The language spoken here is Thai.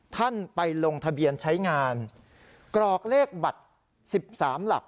ท่านไปลงทะเบียนใช้งานกรอกเลขบัตร๑๓หลัก